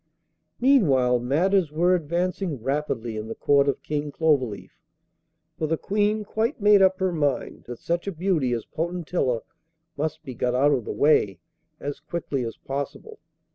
Meanwhile matters were advancing rapidly in the court of King Cloverleaf, for the Queen quite made up her mind that such a beauty as Potentilla must be got out of the way as quickly as possible.